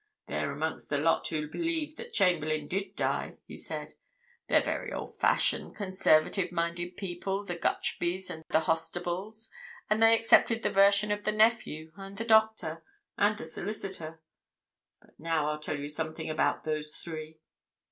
"They're amongst the lot who believe that Chamberlayne did die," he said. "They're very old fashioned, conservative minded people, the Gutchbys and the Hostables, and they accepted the version of the nephew, and the doctor, and the solicitor. But now I'll tell you something about those three.